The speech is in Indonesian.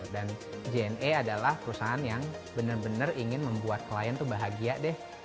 dan jne adalah perusahaan yang benar benar ingin membuat klien bahagia deh